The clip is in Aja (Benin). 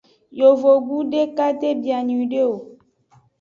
Yovogbu deka de bia nyuiede o.